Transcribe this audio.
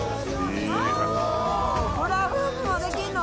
フラフープもできんの？